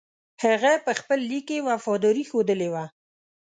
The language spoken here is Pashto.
هغه په خپل لیک کې وفاداري ښودلې وه.